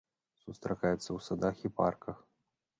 Сустракаецца ў садах і парках.